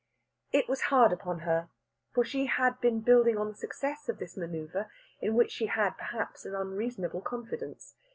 It was hard upon her, for she had been building on the success of this manoeuvre, in which she had, perhaps, an unreasonable confidence.